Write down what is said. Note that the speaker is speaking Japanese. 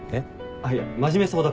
いや真面目そうだから。